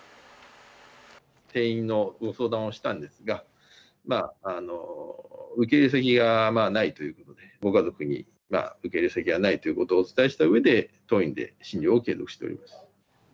転院の相談をしたんですが、受け入れ先がないということで、ご家族にも受け入れ先がないということをお伝えしたうえで、当院で診療を継続しております。